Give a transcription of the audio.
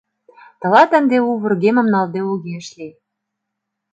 Тылат ынде у вургемым налде огеш лий.